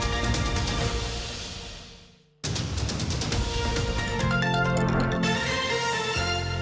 โปรดติดตามตอนต่อไป